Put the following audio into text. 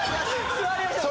座りましょう。